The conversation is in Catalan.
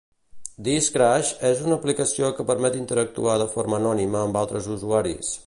"This Crush" és una aplicació que permet interactuar de forma anònima amb altres usuaris.